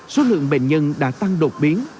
số lượng bệnh nhân đã tăng đột biến